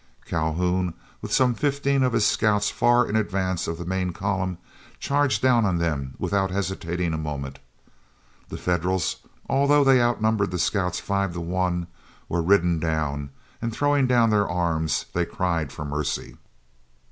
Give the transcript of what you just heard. Calhoun, with some fifteen of his scouts far in advance of the main column, charged down on them without hesitating a moment. The Federals, although they outnumbered the scouts five to one, were ridden down, and throwing down their arms they cried for mercy.